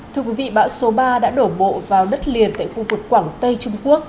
thưa quý vị bão số ba đã đổ bộ vào đất liền tại khu vực quảng tây trung quốc